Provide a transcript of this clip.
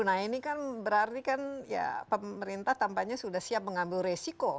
nah ini kan berarti kan ya pemerintah tampaknya sudah siap mengambil resiko